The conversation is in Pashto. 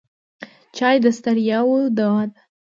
چای د ستړیاوو دوا ده.